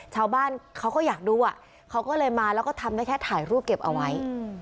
ชาวบ้านเขาก็อยากดูอ่ะเขาก็เลยมาแล้วก็ทำได้แค่ถ่ายรูปเก็บเอาไว้